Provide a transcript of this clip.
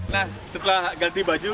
nah setelah ganti baju